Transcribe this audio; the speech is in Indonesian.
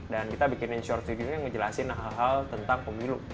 dan kita bikinin short videonya yang ngejelasin hal hal tentang pemilu